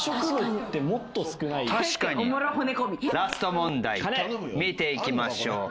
ラスト問題見ていきましょう。